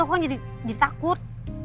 kok kan jadi takut